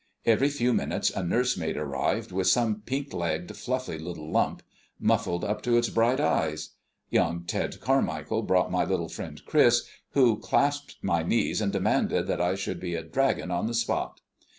Every few minutes a nursemaid arrived with some pink legged, fluffy little lump, muffled up to its bright eyes. Young Ted Carmichael brought my little friend Chris, who clasped my knees and demanded that I should be a dragon on the spot.